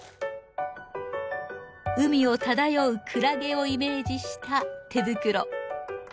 海を漂うクラゲをイメージした手袋。